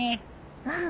うん。